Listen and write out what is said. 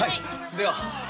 では。